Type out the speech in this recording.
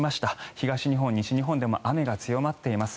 東日本、西日本でも雨が強まっています。